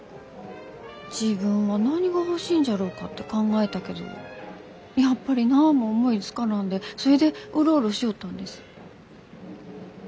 自分は何が欲しいんじゃろうかって考えたけどやっぱり何も思いつかなんでそれでうろうろしょおったんです。